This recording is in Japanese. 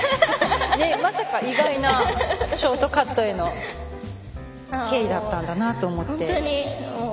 まさか意外なショートカットへの経緯だったんだなと思って。